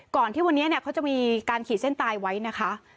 ที่วันนี้เขาจะมีการขีดเส้นตายไว้นะคะ